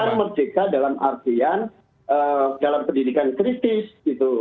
jadi ini merdeka dalam artian dalam pendidikan kritis gitu